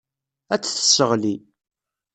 Ad t-tesseɣli.